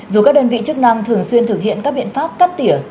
dù các đơn vị chức năng thường xuyên thực hiện các biện pháp cắt tỉa